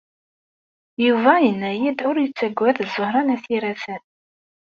Yuba yenna-iyi-d ur yettagad Ẓuhṛa n At Yiraten.